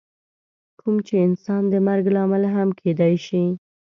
کوم چې انسان د مرګ لامل هم کیدی شي.